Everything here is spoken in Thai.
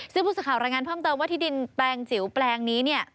ซึ่งผู้สื่อข่าวรายงานเพิ่มเติมว่าที่ดินแปลงจิ๋วแปลงนี้เนี่ย